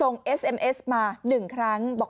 โอ้โหโอ้โห